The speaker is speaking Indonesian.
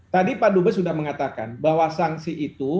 tadi pak dubes sudah mengatakan bahwa sanksi itu